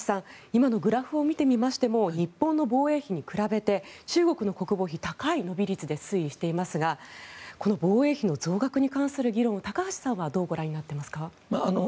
今のグラフを見てみましても日本の防衛費に比べて中国の国防費は高い伸び率で推移していますがこの防衛費の増額に関する議論を高橋さんはどうご覧になっていますか。